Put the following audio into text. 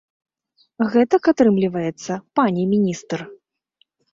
Гэтак атрымліваецца, пане міністр?